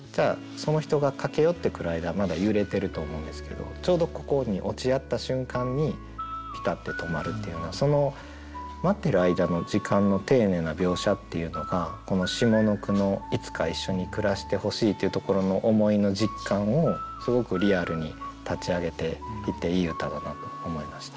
その人が駆け寄ってくる間まだ揺れてると思うんですけどちょうどここに落ち合った瞬間にピタッて止まるっていうようなその待ってる間の時間の丁寧な描写っていうのが下の句の「いつか一緒に暮らして欲しい」っていうところの思いの実感をすごくリアルに立ち上げていていい歌だなと思いました。